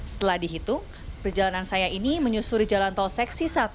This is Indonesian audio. setelah dihitung perjalanan saya ini menyusuri jalan tol seksi satu